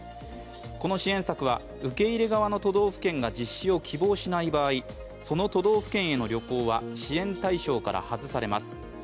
この支援策は、受け入れ側の都道府県が実施を希望しない場合、その都道府県への旅行は支援対象から外されます。